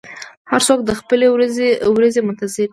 هر څوک د خپلې ورځې منتظر دی.